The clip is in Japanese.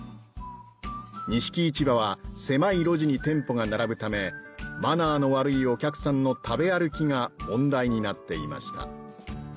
錦市場は狭い路地に店舗が並ぶためマナーの悪いお客さんの食べ歩きが問題になっていました